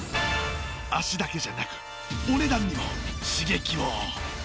足だけじゃなくお値段にも刺激を。